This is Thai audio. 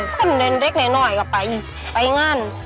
ขึ้นเดินเล็กน้อยก็ไปไปงั้น